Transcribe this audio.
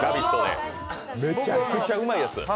めちゃめちゃうまいやつ。